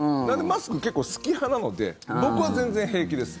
マスク結構好き派なので僕は全然平気です。